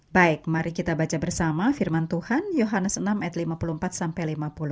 baik mari kita baca bersama firman tuhan yohanes enam ayat lima puluh empat sampai lima puluh